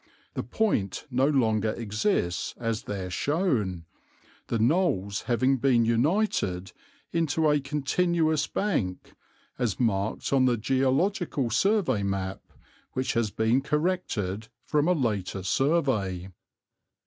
The point no longer exists as there shown, the knolls having been united into a continuous bank, as marked on the Geological Survey map, which has been corrected from a later survey."